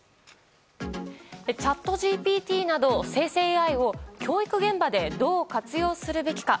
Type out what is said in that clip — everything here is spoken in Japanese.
ＣｈａｔＧＰＴなど生成ＡＩを教育現場でどう活用すべきか。